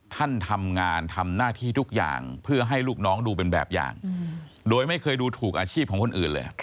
ท่านทำงานทำหน้าที่ทุกอย่างเพื่อให้ลูกน้องดูเป็นแบบอย่างโดยไม่เคยดูถูกอาชีพของคนอื่นเลย